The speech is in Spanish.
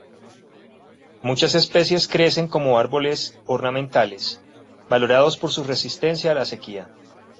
Muchas especies crecen como árboles ornamentales, valorados por su resistencia a la sequía.